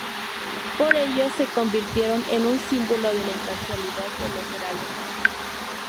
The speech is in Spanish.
Por ello se convirtieron en un símbolo de la imparcialidad de los heraldos.